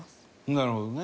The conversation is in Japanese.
なるほどね。